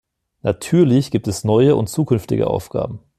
Natürlich gibt es neue und zukünftige Aufgaben.